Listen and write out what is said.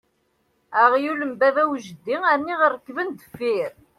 Aɣyul n baba u jeddi rniɣ rrekba ɣer deffier!